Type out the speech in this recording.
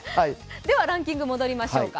ではランキングに戻りましょうか。